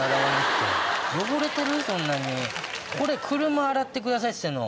車洗ってくださいっつってんの。